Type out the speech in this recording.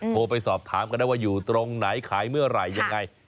โทรไปสอบถามกันได้ว่าอยู่ตรงไหนขายเมื่อไหร่ยังไง